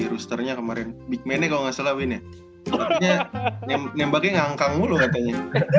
posternya kemarin bikminnya kalau nggak salah wini yang bagi ngangkang ngurutnya